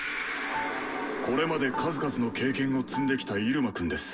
これまで数々の経験を積んできたイルマくんです。